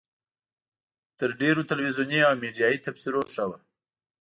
تر ډېرو تلویزیوني او میډیایي تبصرو ښه وه.